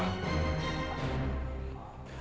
untuk apa jenengan semua disini